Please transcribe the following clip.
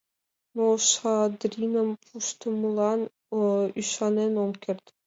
Но Шадриным пуштмылан ӱшанен ом керт.